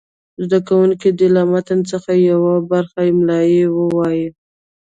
زده کوونکي دې له متن څخه یوه برخه املا ووایي.